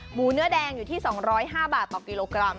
หมูเนื้อแดงอยู่ที่๒๐๕บาทต่อกิโลกรัม